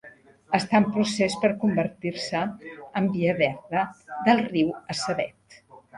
Està en procés per convertir-se en Via Verda del riu Assabet.